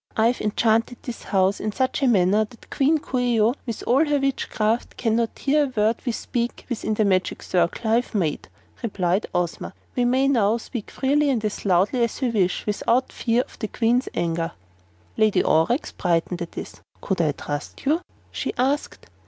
"I've enchanted this house in such a manner that Queen Coo ee oh, with all her witchcraft, cannot hear one word we speak within the magic circle I have made," replied Ozma. "We may now speak freely and as loudly as we wish, without fear of the Queen's anger." Lady Aurex brightened at this. "Can I trust you?" she asked.